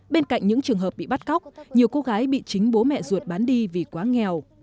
bên cạnh những trường hợp bị bắt cóc nhiều cô gái bị chính bố mẹ ruột bán đi vì quá nghèo